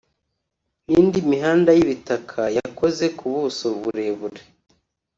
n’indi mihanda y’ibitaka yakoze ku buso burebure